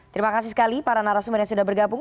terima kasih sekali para narasumber yang sudah bergabung